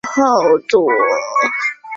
麻坡县内下辖一个地方政府。